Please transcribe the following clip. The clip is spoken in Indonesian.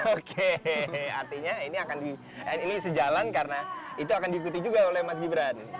oke artinya ini sejalan karena itu akan diikuti juga oleh mas gibran